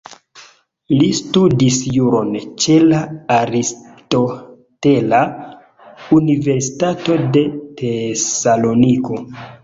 Li studis juron ĉe la Aristotela Universitato de Tesaloniko.